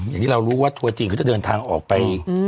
อย่างที่เรารู้ว่าทัวร์จีนเขาจะเดินทางออกไป